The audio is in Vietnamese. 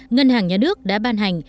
ngân hàng nhà nước đã ban hành